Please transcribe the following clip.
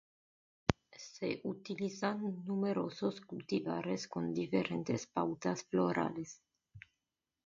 Se utilizan numerosos cultivares con diferentes pautas florales.